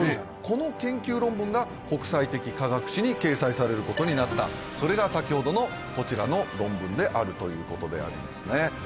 この研究論文が国際的科学誌に掲載されることになったそれが先ほどのこちらの論文であるということでありますね